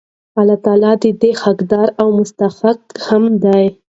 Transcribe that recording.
الله تعالی د دي حقدار او مستحق هم دی